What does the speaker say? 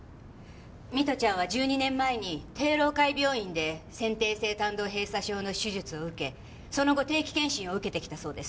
美都ちゃんは１２年前に帝楼会病院で先天性胆道閉鎖症の手術を受けその後定期検診を受けてきたそうです。